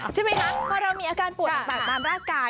ใช่ไหมคะพอเรามีอาการป่วยต่างตามร่างกาย